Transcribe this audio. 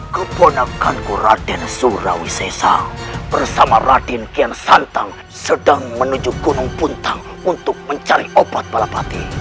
keponakan ku raden surawisesa bersama raden kiansantang sedang menuju gunung puntang untuk mencari obat balapati